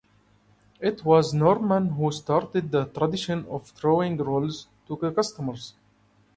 It was Norman who started the tradition of throwing rolls to customers.